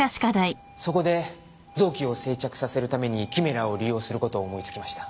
そこで臓器を生着させるためにキメラを利用する事を思いつきました。